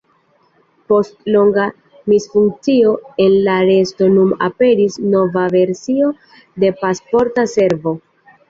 Post longa misfunkcio en la reto nun aperis nova versio de Pasporta Servo.